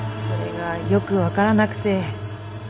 それがよく分からなくて。